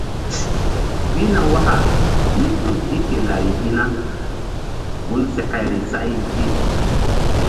Pihna waka mí ƴo gi ke lari hi̧ na gun sekeri say gi.